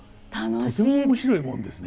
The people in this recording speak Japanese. とても面白いもんですね。